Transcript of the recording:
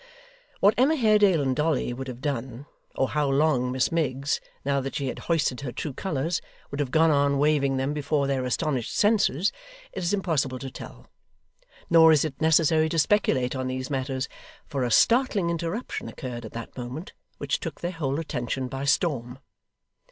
What Emma Haredale and Dolly would have done, or how long Miss Miggs, now that she had hoisted her true colours, would have gone on waving them before their astonished senses, it is impossible to tell. Nor is it necessary to speculate on these matters, for a startling interruption occurred at that moment, which took their whole attention by storm.